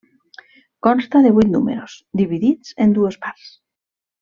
Consta de vuit números, dividits en dues parts.